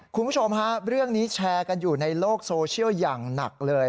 คุณผู้ชมฮะเรื่องนี้แชร์กันอยู่ในโลกโซเชียลอย่างหนักเลย